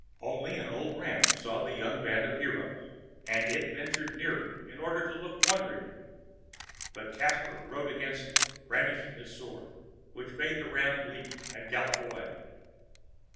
Only an old ram saw the young band of heroes, and it ventured nearer in order to look wonderingly. But Caspar rode against it, brandishing his sword, which made the ram bleat and gallop away.